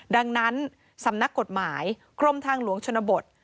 ดังนั้นสำนักกฎหมายกรมทางหลวงชนบท